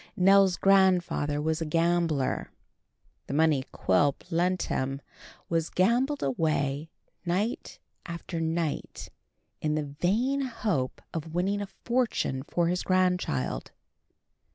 Nell's grandfather was a gambler. The money Quilp lent him was gambled away night after night in the vain hope of winning a fortune for his grandchild.